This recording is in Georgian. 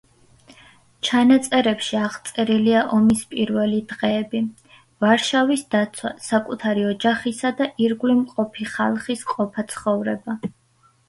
ჩანაწერებში აღწერილია ომის პირველი დღეები, ვარშავის დაცვა, საკუთარი ოჯახისა და ირგვლივ მყოფი ხალხის ყოფა-ცხოვრება.